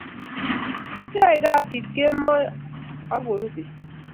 yaeii kasit kemoi akoruu bet